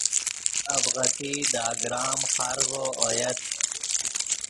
اڤغتئی دے اگرام خارڤو اویت